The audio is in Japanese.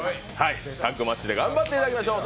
タッグマッチで頑張っていただきましょう。